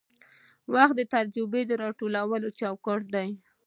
وخت د تجربې د راټولولو چوکاټ دی.